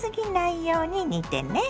ように煮てね。